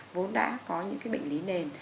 vốn đã có những cái bệnh lý nền